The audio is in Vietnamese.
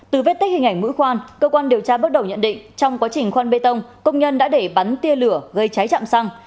từ vết tích hình ảnh mũi khoan cơ quan điều tra bước đầu nhận định trong quá trình khoan bê tông công nhân đã để bắn tia lửa gây cháy chạm xăng